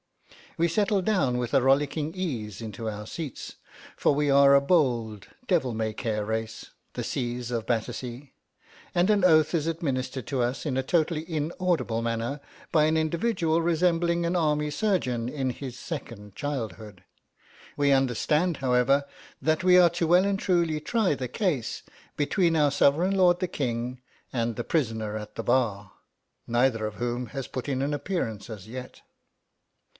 We settle down with a rollicking ease into our seats (for we are a bold, devil may care race, the C's of Battersea), and an oath is administered to us in a totally inaudible manner by an individual resembling an Army surgeon in his second childhood. We understand, however, that we are to well and truly try the case between our sovereign lord the King and the prisoner at the bar, neither of whom has put in an appearance as yet.